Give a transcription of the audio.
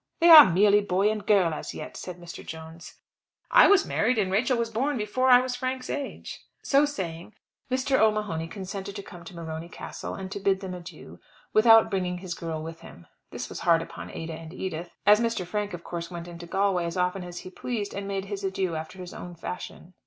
"They are merely boy and girl as yet," said Mr. Jones. "I was married, and Rachel was born before I was Frank's age." So saying, Mr. O'Mahony consented to come to Morony Castle, and bid them adieu, without bringing his girl with him. This was hard upon Ada and Edith, as Mr. Frank, of course, went into Galway as often as he pleased, and made his adieu after his own fashion.